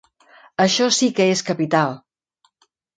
Això sí que és capital.